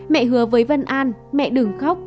mẹ hứa với vân an mẹ đừng khóc